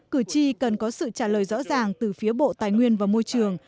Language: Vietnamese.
cử tri cần có sự trả lời rõ ràng từ phía bộ tài nguyên và môi trường